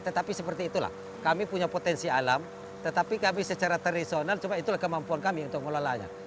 tetapi seperti itulah kami punya potensi alam tetapi kami secara tradisional cuma itulah kemampuan kami untuk mengelolanya